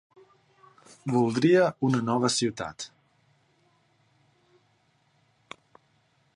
Voldria una nova ciutat.